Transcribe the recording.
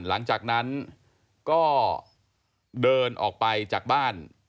หลังจากนั้นก็เดินออกไปจากบ้าน